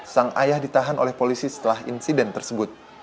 sang ayah ditahan oleh polisi setelah insiden tersebut